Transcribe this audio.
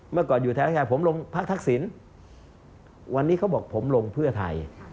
เมื่อก่อนอยู่แถวชายผมลงพักทักษิณวันนี้เขาบอกผมลงเพื่อไทย